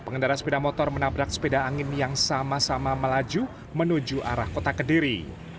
pengendara sepeda motor menabrak sepeda angin yang sama sama melaju menuju arah kota kediri